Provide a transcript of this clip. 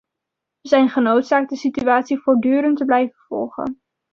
We zijn genoodzaakt de situatie voortdurend te blijven volgen.